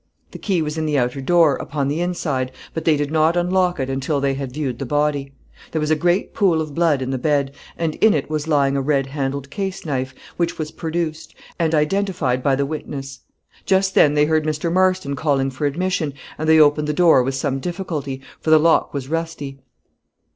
The key was in the outer door, upon the inside, but they did not unlock it until they had viewed the body. There was a great pool of blood in the bed, and in it was lying a red handled case knife, which was produced, and identified by the witness. Just then they heard Mr. Marston calling for admission, and they opened the door with some difficulty, for the lock was rusty.